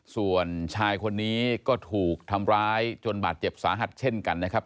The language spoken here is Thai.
ส่วนชายคนนี้ก็ถูกทำร้ายจนบาดเจ็บสาหัสเช่นกันนะครับ